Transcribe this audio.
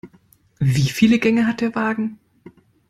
Wieviele Gänge hat der Wagen?